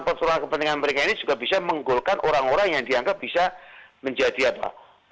persoalan kepentingan mereka ini juga bisa menggolkan orang orang yang dianggap bisa menjadi apa